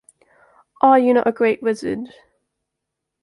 Are you not a great Wizard?